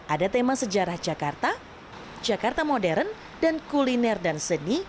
ada tema sejarah jakarta jakarta modern dan kuliner dan seni